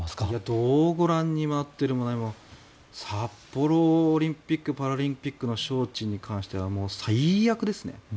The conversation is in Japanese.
どうご覧になってるも何も札幌オリンピック・パラリンピックの招致に関してはもう最悪ですね。